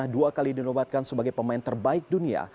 dua kali dinobatkan sebagai pemain terbaik dunia